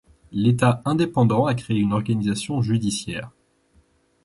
L’État Indépendant a créé une organisation judiciaire.